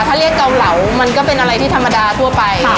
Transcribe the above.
ถ้าเรียกเกาเหลามันก็เป็นอะไรที่ธรรมดาทั่วไป